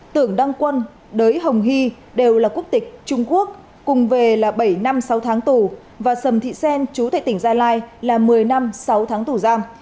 tưởng đăng quân đới hồng hy đều là quốc tịch trung quốc cùng về là bảy năm sáu tháng tù và sầm thị xen chú tại tỉnh gia lai là một mươi năm sáu tháng tù giam